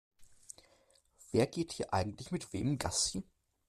Wer geht hier eigentlich mit wem Gassi?